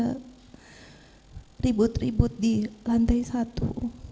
kita ribut ribut di lantai satu